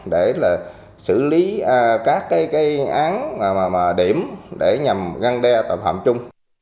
để xử lý các án điểm để nhằm ngăn đe tòa phạm chung